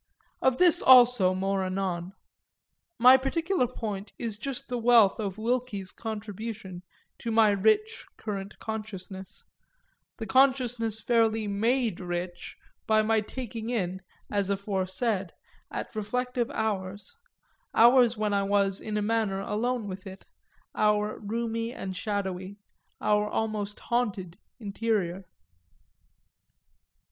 Of this also more anon; my particular point is just the wealth of Wilky's contribution to my rich current consciousness the consciousness fairly made rich by my taking in, as aforesaid, at reflective hours, hours when I was in a manner alone with it, our roomy and shadowy, our almost haunted interior.